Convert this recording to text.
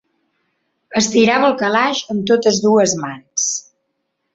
Estirava el calaix amb totes dues mans.